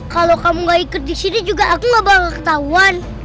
kalau kamu gak ikut di sini juga aku gak bakal ketahuan